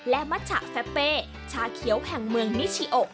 และมัชชะแฟเปชาเขียวแห่งเมืองนิชิโอ